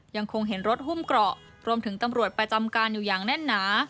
ยังคงเห็นรถหุ้มเกราะรวมถึงตำรวจประจำการอยู่อย่างแน่นหนา